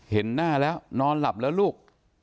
เห็นหน้าแล้วนอนหลับแล้วลูก